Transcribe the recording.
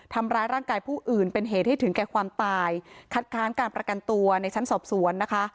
ทำร้ายร่างกายผู้อื่นเป็นเหตุให้ถึงแก่ความตายคัดค้านการประกันตัวในชั้นสอบสวนนะคะ